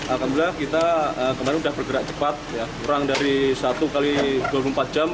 alhamdulillah kita kemarin sudah bergerak cepat kurang dari satu x dua puluh empat jam